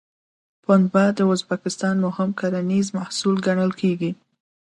پنبه د ازبکستان مهم کرنیز محصول ګڼل کېږي.